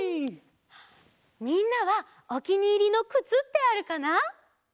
みんなはおきにいりのくつってあるかな？